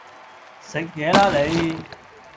食野啦你